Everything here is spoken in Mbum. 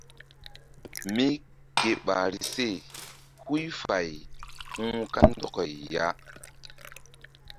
Mí ke ɓahri se huy fay hu̧h kandɔkay ya.